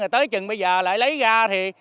rồi tới chừng bây giờ lại lấy ra thì